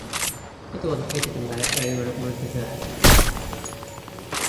It was fitted to many Volvo Penta sterndrive marine propulsion systems.